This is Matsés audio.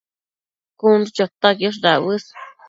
cun chu chota quiosh dauës